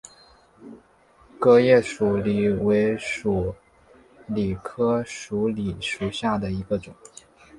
革叶鼠李为鼠李科鼠李属下的一个种。